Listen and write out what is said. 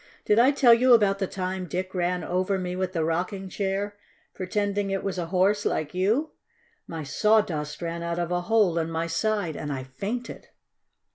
"Did I tell you about the time Dick ran over me with the rocking chair, pretending it was a Horse like you? My sawdust ran out of a hole in my side, and I fainted!"